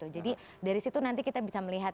jadi dari situ nanti kita bisa melihat